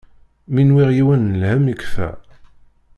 Mi nwiɣ yiwen n lhem yekfa.